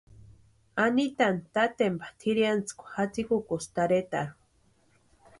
Anitani tatempa tʼirhiantsikwa jatsikukusti tarhetarhu.